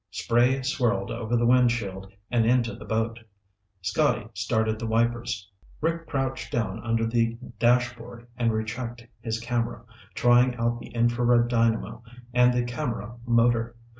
Spray swirled over the windshield and into the boat. Scotty started the wipers. Rick crouched down under the dashboard and rechecked his camera, trying out the infrared dynamo and the camera motor.